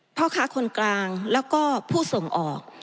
พ่อค้าคนกลางแล้วก็ผู้ส่งออก